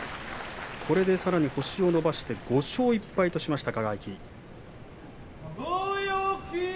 さらに星を伸ばして５勝１敗としました。